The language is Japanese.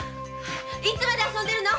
いつまで遊んでるの！